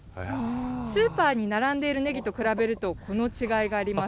スーパーに並んでいるねぎと比べると、この違いがあります。